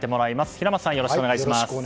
平松さん、よろしくお願いします。